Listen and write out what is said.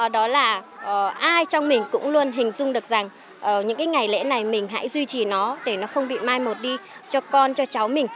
đó là ai trong mình cũng luôn hình dung được rằng những cái ngày lễ này mình hãy duy trì nó để nó không bị mai một đi cho con cho cháu mình